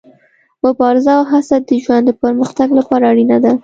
مبارزه او هڅه د ژوند د پرمختګ لپاره اړینه ده.